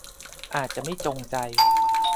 อาจจะไม่จงใจ